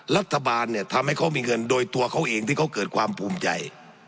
รัฐบาลเนี่ยทำให้เขามีเงินโดยตัวเขาเองที่เขาเกิดความภูมิใจ